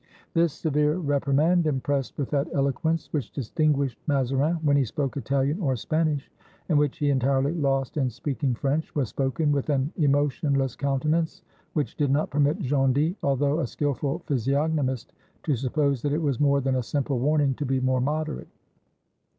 This severe reprimand, impressed with that eloquence which distinguished Mazarin when he spoke Italian or Spanish, and which he entirely lost in speaking French, was spoken with an emotionless countenance which did not permit Gondy, although a skillful physiognomist, to suppose that it was more than a simple warning to be more moderate.